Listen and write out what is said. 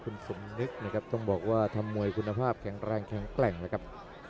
คุณสมนึกนะครับต้องบอกว่าทำมวยคุณภาพแข็งแรงแข็งแกร่งแล้วครับ